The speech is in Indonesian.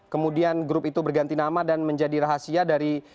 kemudian grup itu berganti nama dan menjadi rahasia dari